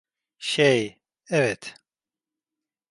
Şey, evet.